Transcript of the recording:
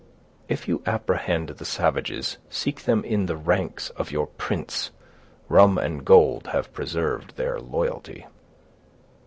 "If you apprehend the savages, seek them in the ranks of your prince. Rum and gold have preserved their loyalty."